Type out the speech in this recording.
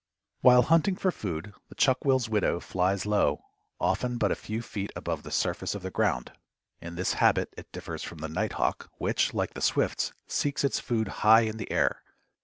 While hunting for food the Chuck will's widow flies low, often but a few feet above the surface of the ground. In this habit it differs from the night hawk, which, like the swifts, seeks its food high in the air.